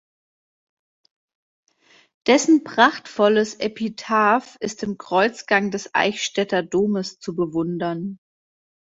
Dessen prachtvolles Epitaph ist im Kreuzgang des Eichstätter Domes zu bewundern.